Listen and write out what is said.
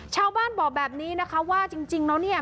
ชาวบ้านบอกแบบนี้นะคะว่าจริงแล้วเนี่ย